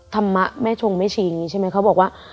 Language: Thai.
ธรรมะแม่ชงแม่ชีใช่ไหมเขาบอกว่า